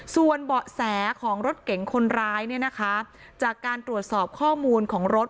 ส่วนเบาะแสของรถเก๋งคนร้ายเนี่ยนะคะจากการตรวจสอบข้อมูลของรถ